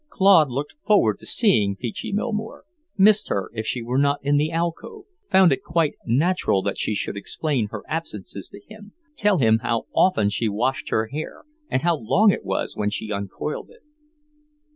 Claude looked forward to seeing Peachy Millmore, missed her if she were not in the alcove, found it quite natural that she should explain her absences to him, tell him how often she washed her hair and how long it was when she uncoiled it.